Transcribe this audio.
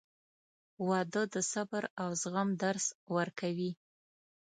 • واده د صبر او زغم درس ورکوي.